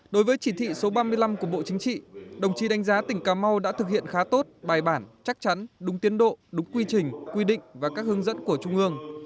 đối với chỉ thị số ba mươi năm của bộ chính trị đồng chí đánh giá tỉnh cà mau đã thực hiện khá tốt bài bản chắc chắn đúng tiến độ đúng quy trình quy định và các hướng dẫn của trung ương